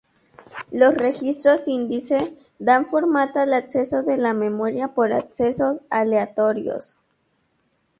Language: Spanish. Los registros índice dan formato al acceso de la memoria por accesos aleatorios.